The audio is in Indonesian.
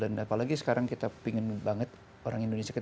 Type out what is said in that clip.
dan apalagi sekarang kita pengen banget orang indonesia ketemu